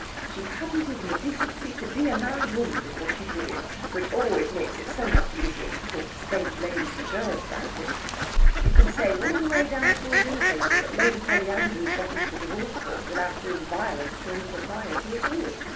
She hadn't even the decency to be a married woman before she did it, which always makes it so much easier to talk to strange ladies and girls about it. You can say all the way down a full dinner table that Lady Polly Andrews got into the Divorce Court without doing violence to any propriety at all.